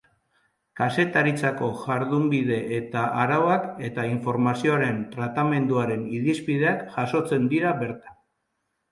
Kazetaritzako jardunbide eta arauak eta informazioaren tratamenduaren irizpideak jasotzen dira bertan.